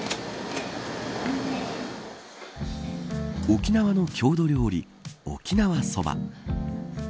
沖縄の郷土料理、沖縄そば。